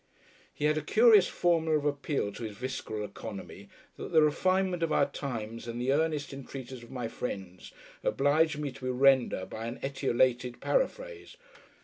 He had a curious formula of appeal to his visceral oeconomy, had Carshot, that the refinement of the times and the earnest entreaties of my friends induce me to render by an anæmic paraphrase.